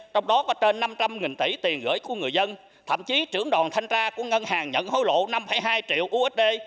trong đó có trên năm trăm linh tỷ tiền gửi của người dân thậm chí trưởng đoàn thanh tra của ngân hàng nhận hối lộ năm hai triệu usd